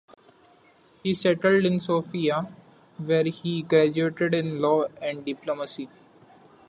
He settled in Sofia, where he graduated in law and diplomacy.